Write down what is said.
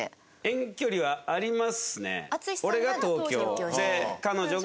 遠距離はありますね。